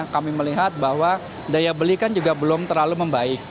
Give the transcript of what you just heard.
kami melihat bahwa daya beli kan juga belum terlalu membaik